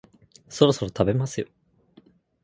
そろそろ食べますよ